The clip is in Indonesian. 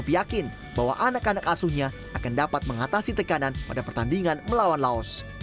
yakin bahwa anak anak asuhnya akan dapat mengatasi tekanan pada pertandingan melawan laos